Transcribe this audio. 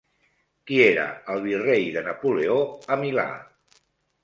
Qui era el virrei de Napoleó a Milà?